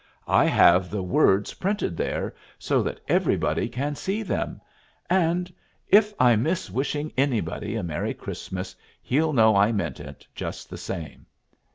"I have the words printed there so that everybody can see them; and if I miss wishing anybody a merry Christmas, he'll know I meant it just the same."